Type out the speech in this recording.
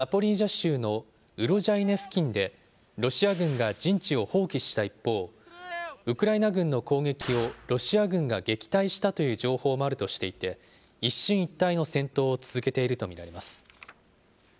また、アメリカのシンクタンク、戦争研究所は１２日の分析で、ザポリージャ州のウロジャイネ付近でロシア軍が陣地を放棄した一方、ウクライナ軍の攻撃をロシア軍が撃退したという情報もあるとしていて、一進一退の戦闘を続けていると見られます。